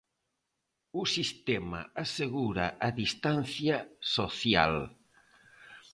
O sistema asegura a distancia social.